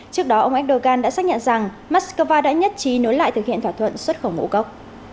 trước đó ông erdogan đã xác nhận rằng moscow đã nhất trí nối lại thực hiện thỏa thuận xuất khẩu ngũ cốc